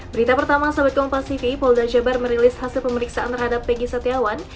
berita pertama sobatkompastv polda jabar merilis hasil pemeriksaan terhadap peggy setiawan